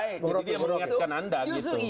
jadi dia mengingatkan anda gitu